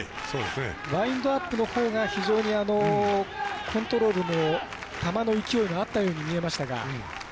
ワインドアップのほうが非常にコントロールも球の勢いもあったように見えましたが。